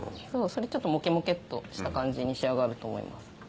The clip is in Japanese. それちょっとモケモケっとした感じに仕上がると思います。